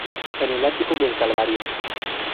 En el ático, el Calvario.